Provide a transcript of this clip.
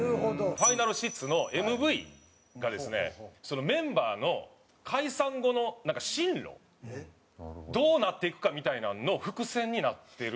『ＦｉＮＡＬＳＨｉＴＳ』のＭＶがですねメンバーのどうなっていくかみたいなんの伏線になってる。